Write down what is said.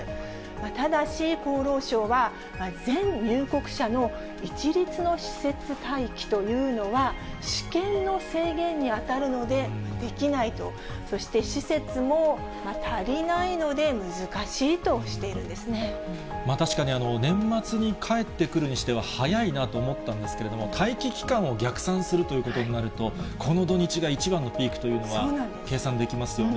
ただし、厚労省は全入国者の一律の施設待機というのは、私権の制限に当たるのでできないと、そして施設も足りないので、確かに、年末に帰って来るにしては早いなと思ったんですけれども、待機期間を逆算するということになると、この土日が一番のピークというのは、計算できますよね。